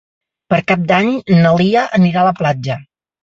Per Cap d'Any na Lia anirà a la platja.